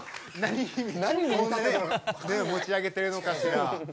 何持ち上げてるのかしら。